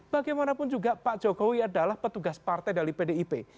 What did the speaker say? bagaimanapun juga pak jokowi adalah petugas partai dari pdip